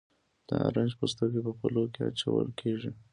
د نارنج پوستکي په پلو کې اچول کیږي.